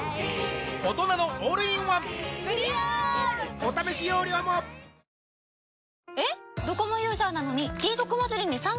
お試し容量もああ